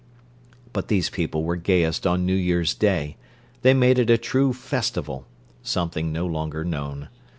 But these people were gayest on New Year's Day; they made it a true festival—something no longer known.